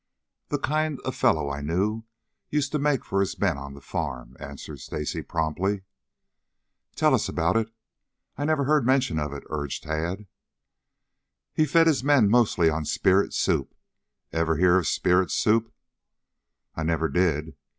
"The kind a fellow I knew used to make for his men on the farm," answered Stacy promptly. "Tell us about it. I never heard you mention it," urged Tad. "He fed his men mostly on spirit soup. Ever hear of spirit soup?" "I never did.